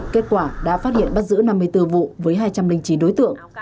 kết quả đã phát hiện bắt giữ năm mươi bốn vụ với hai trăm linh chín đối tượng